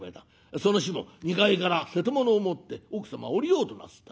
その日も２階から瀬戸物を持って奥様は下りようとなすった。